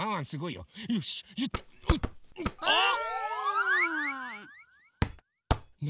あっ！